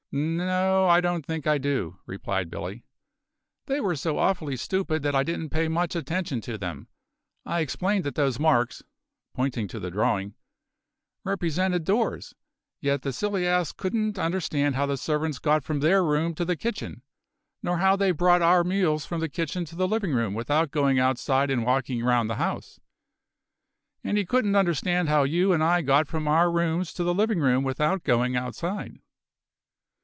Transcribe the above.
"N o, I don't think I do," replied Billy. "They were so awfully stupid that I didn't pay much attention to them. I explained that those marks," pointing to the drawing "represented doors; yet the silly ass couldn't understand how the servants got from their room to the kitchen, nor how they brought our meals from the kitchen to the living room without going outside and walking round the house. And he couldn't understand how you and I got from our rooms to the living room without going outside."